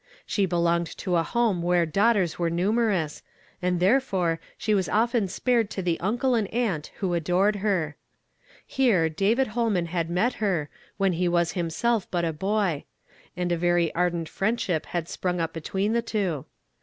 She belonged to a home where dauo hters were numerous, and therefore she was often spared to the uncle and aunt who adored her. Here, David Ilolman had met her, when he was him.)elf but a boy ; and a very ar dent friendship had sprung up between the two.